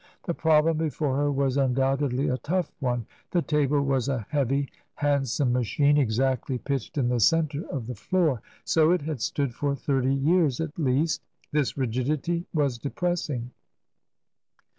'''^e problem before her was undoubtedly a tough one.^^iif table was a heavy, handsome machine exactly TRANSITION. 13 pitched in the centre of the floor. So it had stood for thirty years at least This rigidity was depressing.